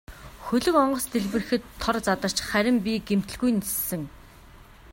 Хөлөг онгоц дэлбэрэхэд тор задарч харин би гэмтэлгүй ниссэн.